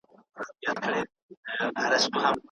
کنګل کول بکتریاوې نه وژني.